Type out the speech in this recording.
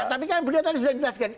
tapi kan beliau tadi sudah dijelaskan